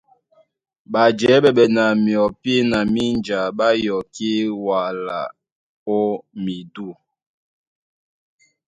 Ɓajɛɛ́ ɓɛɓɛ na myɔpí na mínja ɓá yɔkí wala ó midû.